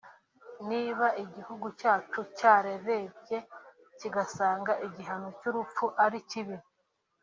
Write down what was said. Niba igihugu cyacu cyarerebye kigasanga igihano cy’urupfu ari kibi